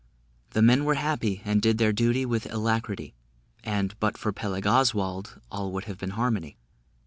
The men were happy, and did their duty with alacrity; and but for Peleg Oswald, all would have been harmony.